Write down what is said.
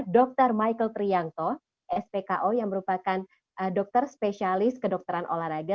dr michael trianto spko yang merupakan dokter spesialis kedokteran olahraga